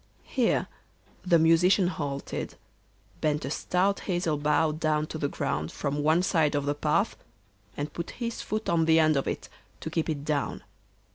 Here the Musician halted, bent a stout hazel bough down to the ground from one side of the path, and put his foot on the end of it to keep it down.